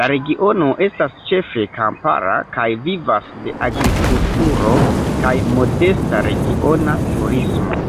La regiono estas ĉefe kampara kaj vivas de agrikulturo kaj modesta regiona turismo.